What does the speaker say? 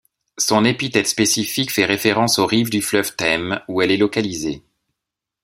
Son épithète spécifique fait référence aux rives du fleuve Ntem où elle est localisée.